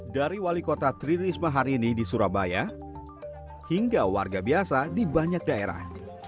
dari wali kota tri risma hari ini di surabaya hingga warga biasa di banyak daerah